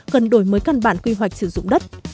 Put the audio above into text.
cần đổi mới căn bản quy hoạch sử dụng đất